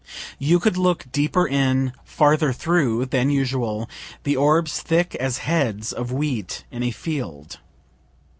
You could look deeper in, farther through, than usual; the orbs thick as heads of wheat in a field.